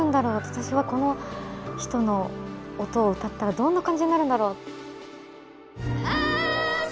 私はこの人の音を歌ったらどんな感じになるだろう？